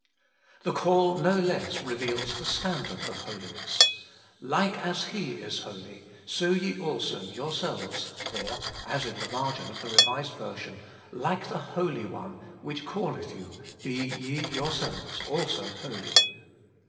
The call no less reveals the standard of Holiness. ' Like as He is holy, so ye also yourselves/ or (as in margin, R.V.), ' Like the Holy One, which calleth you, be ye yourselves also holy.'